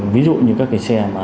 ví dụ như các xe